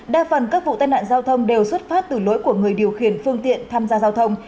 đa phần các vụ tai nạn giao thông đều xuất phát từ lỗi của người điều khiển phương tiện tham gia giao thông